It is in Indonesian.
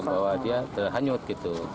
bahwa dia terhanyut gitu